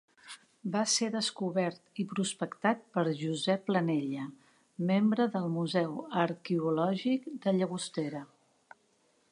Va ser descobert i prospectat per Josep Planella, membre del Museu Arqueològic de Llagostera.